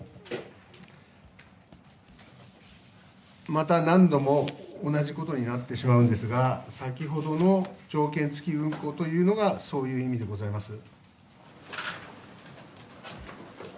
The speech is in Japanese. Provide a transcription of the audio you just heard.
また何度も同じことになってしまうんですが先ほどの条件付き運航というのがそういう意味でございます。